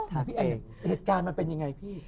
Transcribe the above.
ถ้าพี่แอนเนี่ยเหตุการณ์มันเป็นยังไงพี่